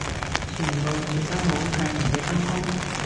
全部住得好近唔使返工？